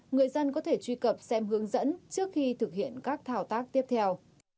người dân có thể truy cập xem hướng dẫn trước khi thực hiện các thao tác tiếp theo